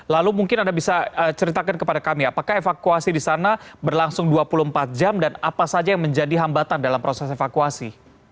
lalu mungkin anda bisa ceritakan kepada kami apakah evakuasi di sana berlangsung dua puluh empat jam dan apa saja yang menjadi hambatan dalam proses evakuasi